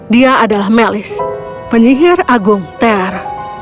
dia adalah melis penyihir agung ter